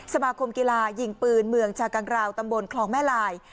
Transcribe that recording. สมาคมกีฬายิงปืนเมืองชากังราวตำบลคลองแม่ลาย